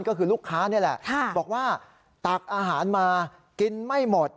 ก็คือลูกค้านี่แหละบอกว่าตักอาหารมากินไม่หมด